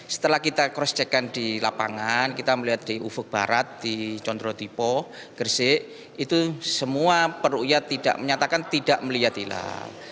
setelah kita cross check and di lapangan kita melihat di ufuk barat di condro tipo gresik itu semua perukyat ⁇ tidak menyatakan tidak melihat hilal